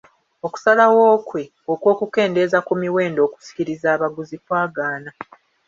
Okusalawo kwe okw'okukendeeza ku miwendo okusikiriza abaguzi kwagaana.